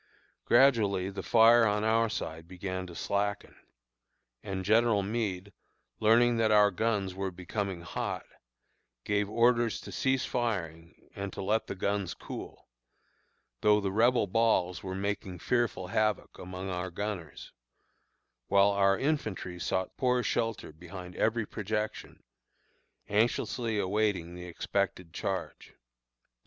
Gradually the fire on our side began to slacken, and General Meade, learning that our guns were becoming hot, gave orders to cease firing and to let the guns cool, though the Rebel balls were making fearful havoc among our gunners, while our infantry sought poor shelter behind every projection, anxiously awaiting the expected charge.